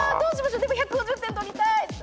でも１５０点取りたい。